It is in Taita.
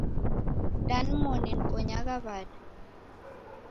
Da nimoni nibonyagha w'ada?